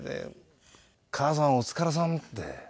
「母さんお疲れさん」って。